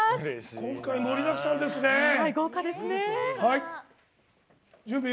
今回盛りだくさんですね。